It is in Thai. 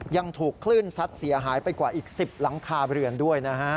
ยังถูกคลื่นซัดเสียหายไปกว่าอีก๑๐หลังคาเรือนด้วยนะฮะ